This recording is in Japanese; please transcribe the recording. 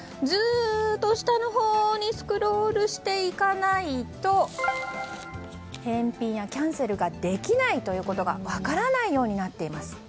ずっと下のほうにスクロールしていかないと返品やキャンセルができないことが分からないようになっています。